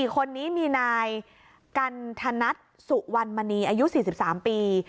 คนนี้มีนายกันธนัทสุวรรณมณีอายุ๔๓ปี